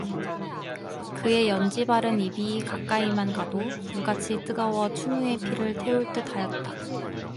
그의 연지 바른 입이 가까이만 가도 불같이 뜨거워 춘우의 피를 태울 듯하였다.